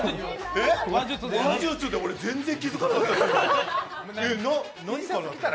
話術で俺、全然気づかなかった。